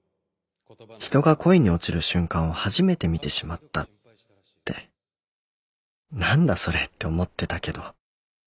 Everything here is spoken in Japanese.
人が恋に落ちる瞬間を初めて見てしまったって何だそれって思ってたけど